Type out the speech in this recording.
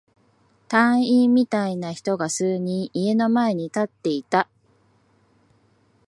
隊員みたいな人が数人、家の前に立っていた。